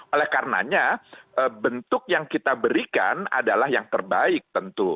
oleh karenanya bentuk yang kita berikan adalah yang terbaik tentu